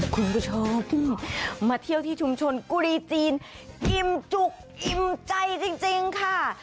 คุณผู้ชมมาเที่ยวที่ชุมชนกุรีจีนอิ่มจุกอิ่มใจจริงค่ะ